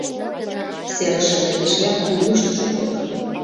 Серышыже эшеат пулвуйыштыжо кодо.